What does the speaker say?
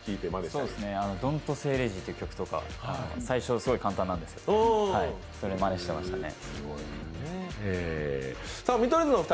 そうですね、「ドント・セイ・レージ」という曲だとか最初すごい簡単なんですけどまねしてましたね。